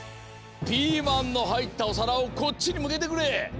ピーマンのはいったおさらをこっちにむけてくれ。